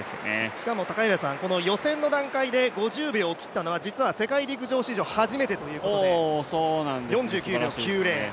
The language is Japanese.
しかもこの予選の段階で５０秒を切ったのは、実は世界陸上史上初めてということで４９秒９０。